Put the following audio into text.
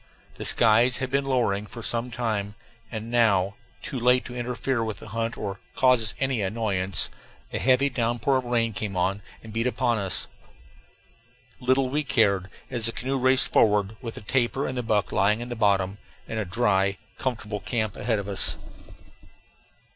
The skies had been lowering for some time, and now too late to interfere with the hunt or cause us any annoyance a heavy downpour of rain came on and beat upon us. Little we cared, as the canoe raced forward, with the tapir and the buck lying in the bottom, and a dry, comfortable camp ahead of us.